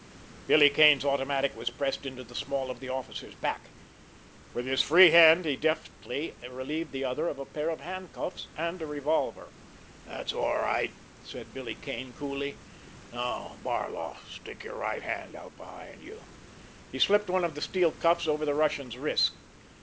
Billy Kane's automatic was pressed into the small of the officer's back. With his free hand he deftly relieved the other of a pair of handcuffs and a revolver. "That's all right!" said Billy Kane coolly. "Now, Barloff, stick your right hand out behind you!" He slipped one of the steel cuffs over the Russian's wrist.